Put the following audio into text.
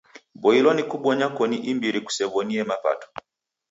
Boilwa ni kubonya koni imbiri kusew'oniemapato.